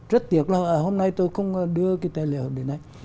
rất tiếc là hôm nay tôi không đưa cái tài liệu đến đấy